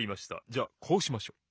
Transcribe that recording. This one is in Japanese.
じゃあこうしましょう！